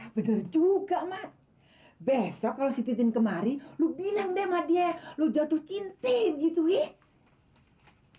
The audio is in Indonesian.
bener juga mak besok kalo si titin kemari lo bilang deh sama dia lo jatuh cinti gitu ihh